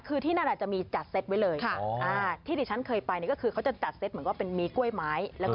คือที่นั่นจะมีจัดเซ็ตไว้เลยที่ที่ฉันเคยไปก็คือเขาจะจัดเซ็ตเหมือนกับมีกล้วยไม้